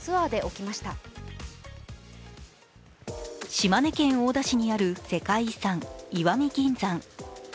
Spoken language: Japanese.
島根県大田市にある世界遺産、石見銀山。